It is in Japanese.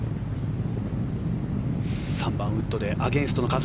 ３番ウッドでアゲンストの風。